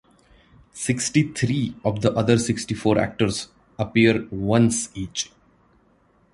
Sixty-three of the other sixty-four actors appear once each.